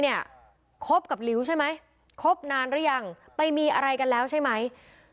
คบกับลิวใช่ไหมคบนานหรือยังไปมีอะไรกันแล้วใช่ไหม